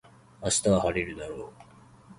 明日は晴れるだろう